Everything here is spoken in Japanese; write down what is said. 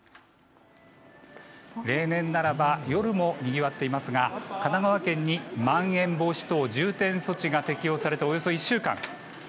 例年ならば夜もにぎわっていますが神奈川県にまん延防止等重点措置が適用されておよそ１週間。